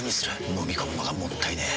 のみ込むのがもったいねえ。